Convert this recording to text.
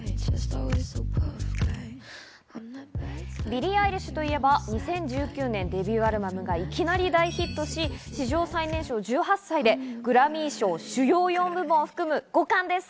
ビリー・アイリッシュといえば２０１９年、デビューアルバムがいきなり大ヒットし、史上最年少１８歳でグラミー賞主要４部門を含む５冠です。